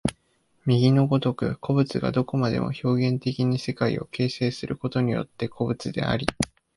右の如く個物がどこまでも表現的に世界を形成することによって個物であり、